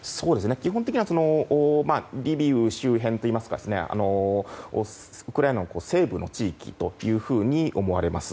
基本的にはリビウ周辺といいますかウクライナの西部の地域というふうに思われます。